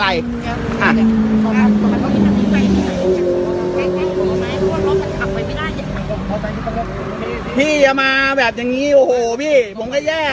กลับไว้ไม่ได้พี่จะมาแบบอย่างงี้โอ้โหพี่ผมก็แย่